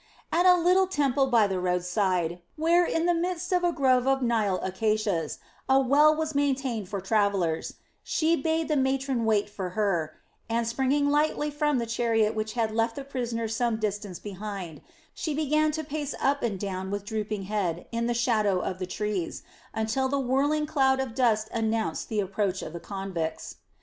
At a little temple by the road side, where, in the midst of a grove of Nile acacias, a well was maintained for travellers, she bade the matron wait for her and, springing lightly from the chariot which had left the prisoners some distance behind, she began to pace up and down with drooping head in the shadow of the trees, until the whirling clouds of dust announced the approach of the convicts.